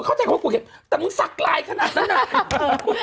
เข้าใจคำว่ากูเก็บแต่มึงสักลายขนาดนั้นน่ะ